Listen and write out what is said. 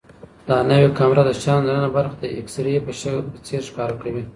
دا نوې کامره د شیانو دننه برخه د ایکس ری په څېر ښکاره کوي.